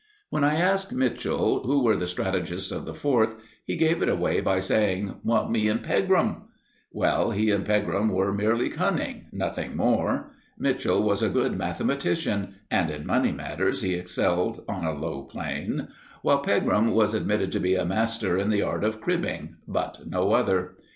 When I asked Mitchell who were the strategists of the Fourth, he gave it away by saying "Me and Pegram." Well, he and Pegram were merely cunning nothing more. Mitchell was a good mathematician, and in money matters he excelled on a low plane; while Pegram was admitted to be a master in the art of cribbing, but no other.